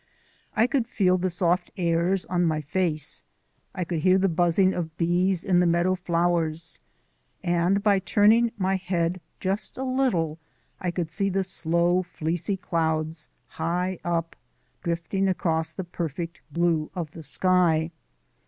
I could feel the soft airs on my face; I could hear the buzzing of bees in the meadow flowers, and by turning my head just a little I could see the slow fleecy clouds, high up, drifting across the perfect blue of the sky.